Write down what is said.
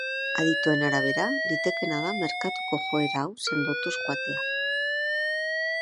Adituen arabera, litekeena da merkatuko joera hau sendotuz joatea.